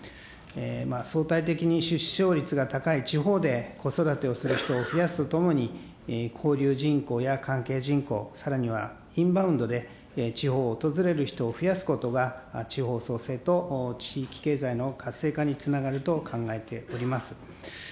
相対的に出生率が高い地方で子育てをする人を増やすとともに、交流人口や関係人口、さらには、インバウンドで地方を訪れる人を増やすことが、地方創生と地域経済の活性化につながると考えております。